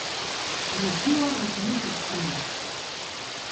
Maziwa hutumika sana.